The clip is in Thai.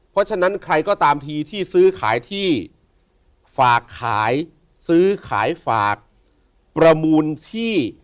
เพราะฉะนั้นใครก็ตามทีที่ซื้อขายที่ฝากขายซื้อขายฝากประมูลที่